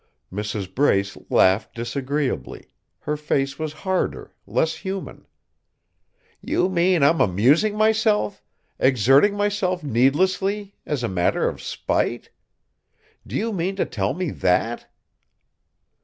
Mrs. Brace laughed disagreeably; her face was harder, less human. "You mean I'm amusing myself, exerting myself needlessly, as a matter of spite? Do you mean to tell me that?"